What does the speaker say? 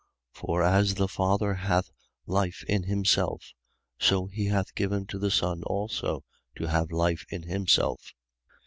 5:26. For as the Father hath life in himself, so he hath given to the Son also to have life in himself.